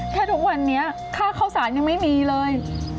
ทุกวันนี้ค่าเข้าสารยังไม่มีเลย